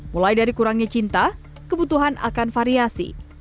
mulai dari kurangnya cinta kebutuhan akan variasi